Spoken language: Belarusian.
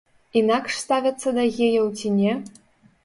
Інакш ставяцца да геяў ці не?